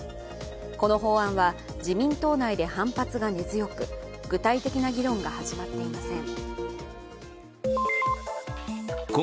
この法案は、自民党内で反発が根強く具体的な議論が始まっていません。